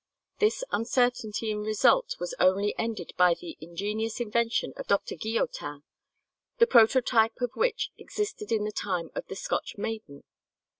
This uncertainty in result was only ended by the ingenious invention of Doctor Guillotin, the prototype of which existed in the time of the Scotch "Maiden."